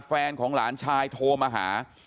แฟนของหลานชายโทรมาหา